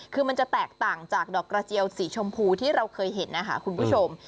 คือมันจะแตกต่างจากดอกกระเจียวสีชมพูที่เราเคยเห็นนะคะคุณผู้ชม